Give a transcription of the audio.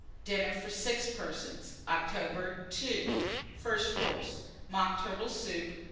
DINNER FOR 6 PERSONS (October). II. FIRST COURSE. Mock Turtle Soup.